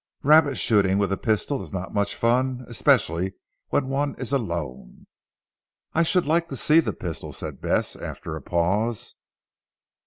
Rabbit shooting with a pistol is not much fun especially when one is alone." "I should like to see the pistol," said Bess, after a pause.